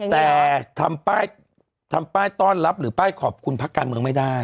แต่ทำป้ายต้อนรับหรือป้ายขอบคุณภาคการเมืองไม่ได้